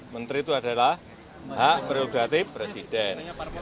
menteri itu adalah hak prerogatif presiden